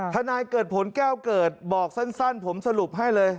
นายเกิดผลแก้วเกิดบอกสั้นผมสรุปให้เลย